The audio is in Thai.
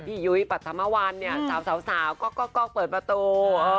พี่ยุยปัจจัมมวันเนี่ยสาวก็เปิดประตู